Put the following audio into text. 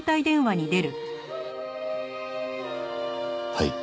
はい。